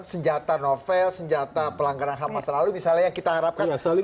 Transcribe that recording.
senjata norvel senjata pelanggaran hamas lalu misalnya yang kita harapkan